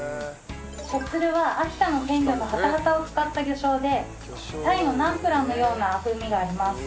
しょっつるは秋田の県魚のハタハタを使った魚醤でタイのナンプラーのような風味があります。